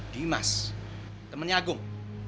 dimas temennya agung